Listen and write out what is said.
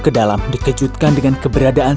ke dalam dikejutkan dengan keberadaan